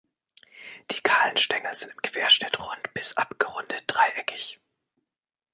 Die kahlen Stängel sind im Querschnitt rund bis abgerundet dreieckig.